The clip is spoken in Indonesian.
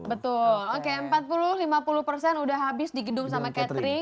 betul oke empat puluh lima puluh persen udah habis di gedung sama catering